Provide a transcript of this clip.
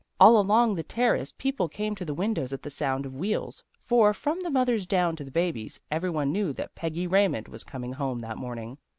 All along the Terrace people came to the windows at the sound of wheels, for from the mothers down to the babies, every one knew that Peggy Raymond was coming home that morning.